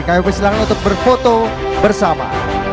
kami persilahkan untuk berfoto bersama